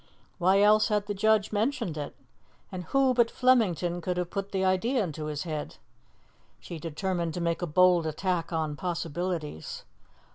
Why else had the judge mentioned it? And who but Flemington could have put the idea into his head? She determined to make a bold attack on possibilities.